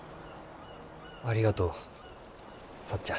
ありがとうさっちゃん。